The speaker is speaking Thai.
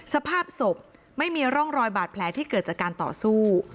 สภาพศพไม่มีร่องรอยบาดแผลที่เกิดจากการต่อสู้